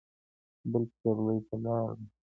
بل پسرلی پر لار دی